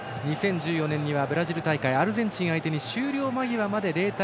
２０１４年にはブラジル大会アルゼンチン相手に終了間際まで０対０。